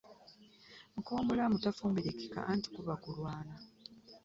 Muka omulamu tafumbirikika anti kuba kulwana.